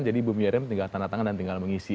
jadi bumi miriam tinggal tanah tangan dan tinggal mengisi